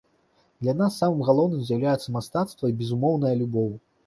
Для нас самым галоўным з'яўляецца мастацтва і безумоўная любоў.